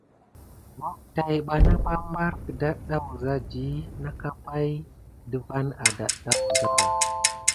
Vo täbana ɓarbar ke ɗeɗa wuza dit nekua pay ɗe van à ɗaɗa wuza.